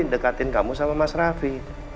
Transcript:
dekatin kamu sama mas raffi